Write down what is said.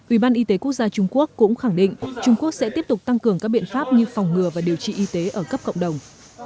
ủy ban y tế quốc gia trung quốc cũng khẳng định trung quốc sẽ tiếp tục tăng cường các biện pháp như phòng ngừa và điều trị y tế ở cấp cộng đồng